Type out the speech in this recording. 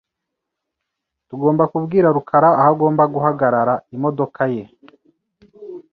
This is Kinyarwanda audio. Tugomba kubwira rukara aho agomba guhagarara imodoka ye .